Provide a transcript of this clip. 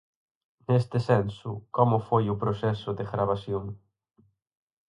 Neste senso, como foi o proceso de gravación?